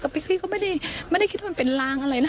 พี่ก็ไม่ได้คิดว่ามันเป็นลางอะไรนะ